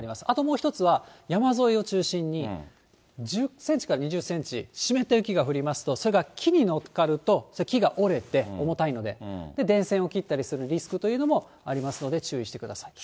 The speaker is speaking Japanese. あともう一つは山沿いを中心に、１０センチから２０センチ、湿った雪が降りますと、それが木に乗っかると、木が折れて、重たいので、電線を切ったりするリスクというのもありますので注意してくださ